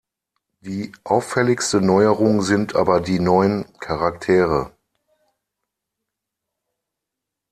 Die auffälligste Neuerung sind aber die neuen Charaktere.